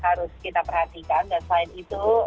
harus kita perhatikan dan selain itu